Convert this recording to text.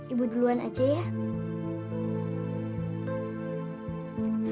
ibu duluan aja ya